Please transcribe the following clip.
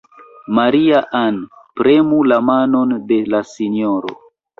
Maria-Ann, premu la manon de la sinjoro.